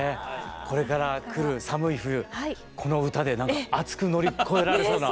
これから来る寒い冬この歌で熱く乗り越えられそうな。